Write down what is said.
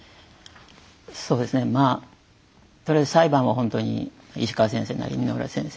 そうですねまあとりあえず裁判はほんとに石川先生なり箕浦先生